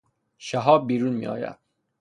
شهاب بیرون می آید